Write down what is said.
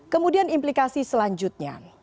kemudian implikasi selanjutnya